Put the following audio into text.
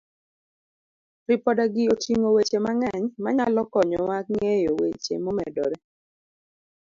Ripodegi oting'o weche mang'eny manyalo konyowa ng'eyo weche momedore.